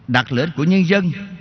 đặt lệnh của nhân dân